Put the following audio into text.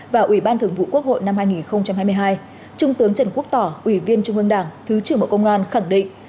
và ủy ban thường vụ quốc hội năm hai nghìn hai mươi hai trung tướng trần quốc tỏ ủy viên trung ương đảng thứ trưởng bộ công an khẳng định